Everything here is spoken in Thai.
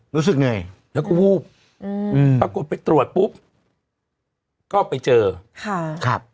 รู้สึกเหนื่อยแล้วก็วูบอืมปรากฏไปตรวจปุ๊บก็ไปเจอค่ะครับ